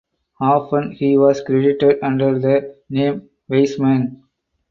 Often he was credited under the name Weisman.